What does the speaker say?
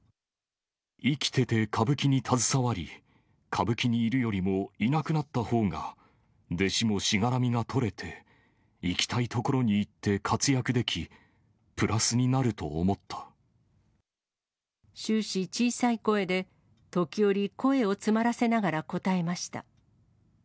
生きてて歌舞伎に携わり、歌舞伎にいるよりもいなくなったほうが、弟子もしがらみが取れて、行きたいところに行って活躍でき、終始、小さい声で時折、声を詰まらせながら答えました。